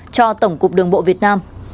cho tổng cục đường bộ việt nam